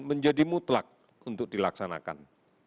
menjadi mutlak untuk dilaksanakan